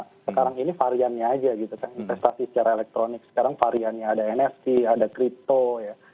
sekarang ini variannya aja gitu kan investasi secara elektronik sekarang variannya ada nft ada crypto ya